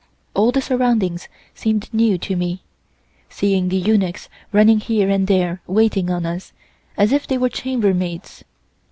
All the surroundings seemed new to me, seeing the eunuchs running here and there waiting on us, as if they were chambermaids.